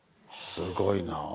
すごいなあ。